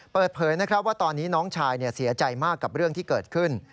เปิดเผยนะครับว่าตอนนี้น้องชายเสียใจมากกับเรื่องที่เกิดขึ้น